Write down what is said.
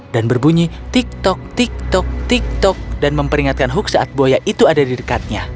dan berbunyi tik tok tik tok tik tok dan memperingatkan hook saat buaya itu ada di dekatnya